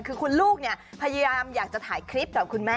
คือคุณลูกเนี่ยพยายามอยากจะถ่ายคลิปกับคุณแม่